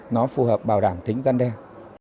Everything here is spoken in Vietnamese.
nó phù hợp bảo đảm tính gian đen